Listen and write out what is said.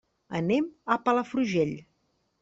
Anem a Palafrugell.